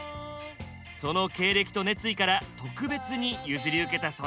その経歴と熱意から特別に譲り受けたそうです。